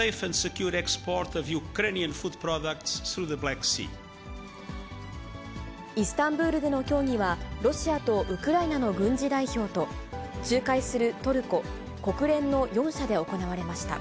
イスタンブールでの協議は、ロシアとウクライナの軍事代表と、仲介するトルコ、国連の４者で行われました。